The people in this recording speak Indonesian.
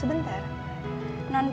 ya itu dong